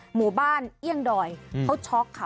หมู่บ้านเอี่ยงดอยเขาช็อกค่ะ